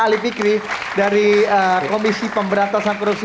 ali fikri dari komisi pemberantasan korupsi